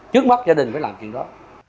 trước mắt gia đình phải làm chuyện đó